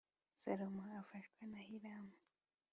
Salomo Afashwa Na Hiramu